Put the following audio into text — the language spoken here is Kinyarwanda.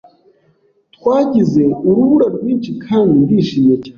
Twagize urubura rwinshi kandi ndishimye cyane.